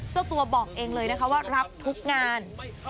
เจ้าตัวบอกเองเลยนะคะว่ารับทุกงาน